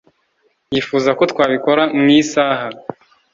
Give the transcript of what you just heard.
yifuza ko twabikora mu isaha